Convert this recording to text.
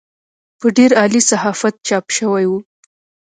په ډېر عالي صحافت چاپ شوې وه.